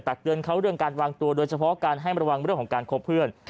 เตือนเขาเรื่องการวางตัวโดยเฉพาะการให้ระวังเรื่องของการคบเพื่อน